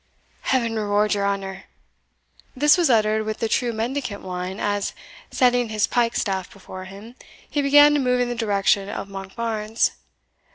"Heaven reward your honour!" This was uttered with the true mendicant whine, as, setting his pike staff before him, he began to move in the direction of Monkbarns.